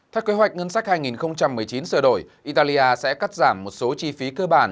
theo kế hoạch ngân sách hai nghìn một mươi chín sửa đổi italia sẽ cắt giảm một số chi phí cơ bản